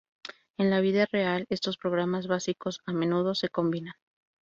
En la vida real, estos programas básicos a menudo se combinan.